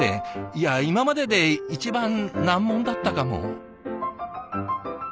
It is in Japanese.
いや今までで一番難問だったかも。